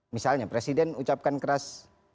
misalnya presiden ucapkan keras